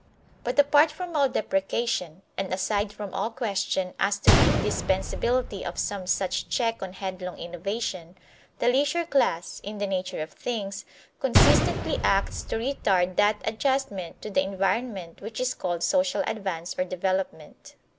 But apart from all deprecation, and aside from all question as to the indispensability of some such check on headlong innovation, the leisure class, in the nature of things, consistently acts to retard that adjustment to the environment which is called social advance or development.